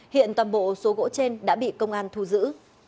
hiện toàn bộ số gỗ trên đã bị công an thu giữ